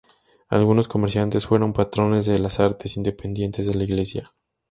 Algunos comerciantes fueron patrones de las artes, independientes de la Iglesia.